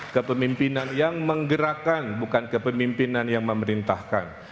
kepemimpinan yang menggerakkan bukan kepemimpinan yang memerintahkan